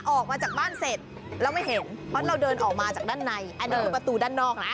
ออกมาจากบ้านเสร็จเราไม่เห็นเพราะเราเดินออกมาจากด้านในอันนี้คือประตูด้านนอกนะ